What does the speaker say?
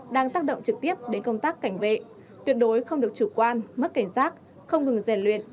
đang tác động trực tiếp đến công tác cảnh vệ tuyệt đối không được chủ quan mất cảnh giác không ngừng rèn luyện